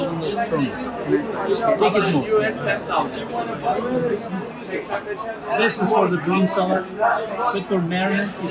dengan kombinasi oregano garam garam dan sel